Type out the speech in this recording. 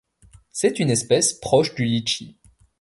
C'est une espèce proche du litchi.